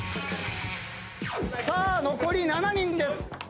さあ残り７人です。